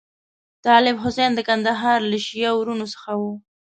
طالب حسین د کندهار له شیعه وروڼو څخه وو.